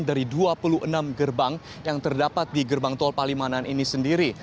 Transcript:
dari dua puluh enam gerbang yang terdapat di gerbang tol palimanan ini sendiri